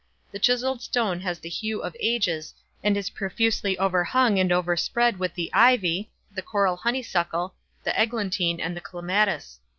The chiselled stone has the hue of ages, and is profusely overhung and overspread with the ivy, the coral honeysuckle, the eglantine, and the clematis.